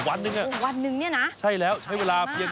วันหนึ่งน่ะใช้เวลาโอ้โฮวันหนึ่งนี่นะ